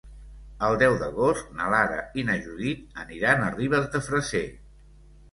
El deu d'agost na Lara i na Judit aniran a Ribes de Freser.